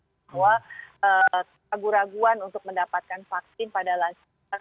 bahwa ragu raguan untuk mendapatkan vaksin pada lansia